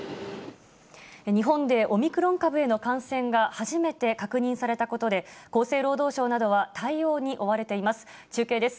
日本でオミクロン株の感染が初めて確認されたことで、厚生労働省などは対応に追われています。